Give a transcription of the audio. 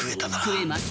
食えます。